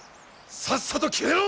さっさと消えろ！